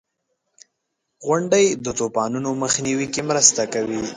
• غونډۍ د طوفانونو مخنیوي کې مرسته کوي.